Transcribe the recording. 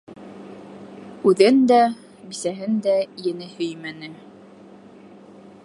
Үҙен дә, бисәһен дә ене һөймәне.